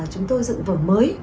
chúng tôi dựng vở mới